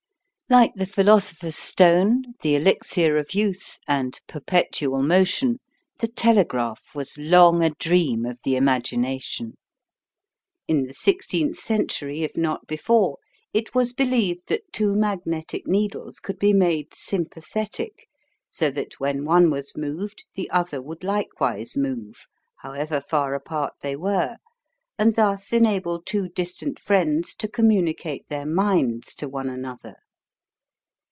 Like the "philosopher's stone," the "elixir of youth," and "perpetual motion," the telegraph was long a dream of the imagination. In the sixteenth century, if not before, it was believed that two magnetic needles could be made sympathetic, so that when one was moved the other would likewise move, however far apart they were, and thus enable two distant friends to communicate their minds to one another.